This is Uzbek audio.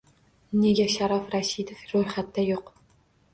Nega Sharof Rashidov ro'yxatda yo'q?